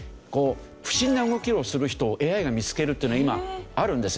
不審な動きをする人をＡＩが見付けるっていうのは今あるんですよ